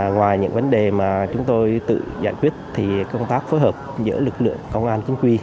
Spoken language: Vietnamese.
ngoài những vấn đề mà chúng tôi tự giải quyết thì công tác phối hợp giữa lực lượng công an chính quy